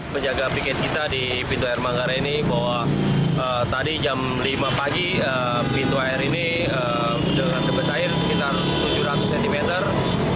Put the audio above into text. penjaga piket kita di pintu air manggarai ini bahwa tadi jam lima pagi pintu air ini dengan debat air sekitar tujuh ratus cm